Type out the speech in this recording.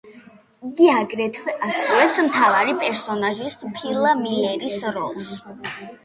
იგი აგრეთვე ასრულებს მთავარი პერსონაჟის, ფილ მილერის როლს.